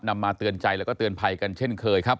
มาเตือนใจแล้วก็เตือนภัยกันเช่นเคยครับ